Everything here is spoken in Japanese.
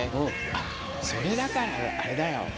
あっそれだからあれだよ。